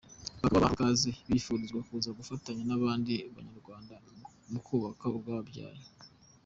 Bakaba bahawe ikaze, bifurizwa kuza gufatanya n’abandi Banyarwanda mu kubaka urwababyaye.